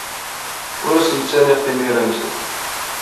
Ur asen-ttaniɣ timira-nsen.